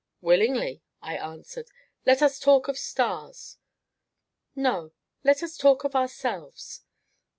"Willingly," I answered; "let us talk of stars." "No let us talk of ourselves."